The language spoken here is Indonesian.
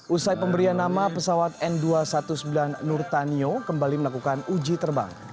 usai pemberian nama pesawat n dua ratus sembilan belas nurtanio kembali melakukan uji terbang